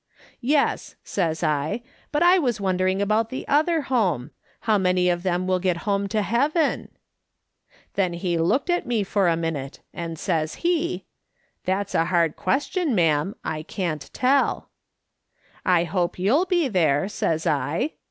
"' Yes,' says I, ' but I was wondering about the other home. How many of them will get home to heaven ?' "Then he looked at me for a minute, and saya be; 190 MRS. SOLOMON SMITH LOOKING ON. "' That's a hard question, ina'am. I can't tell.' "' I hope you'll be there,' says I.